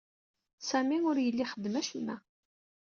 Sami ur yelli ixeddem acemma.